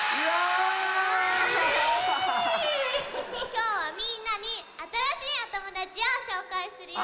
きょうはみんなにあたらしいおともだちをしょうかいするよ。